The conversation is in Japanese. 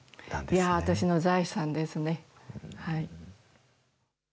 いやー、私の財産ですね。